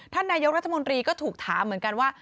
ท่านนายกรัฐมนตรีก็ถูกถามเหมือนกันว่า